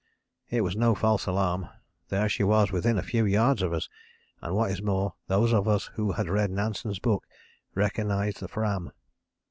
"It was no false alarm, there she was within a few yards of us, and what is more, those of us who had read Nansen's books recognized the Fram.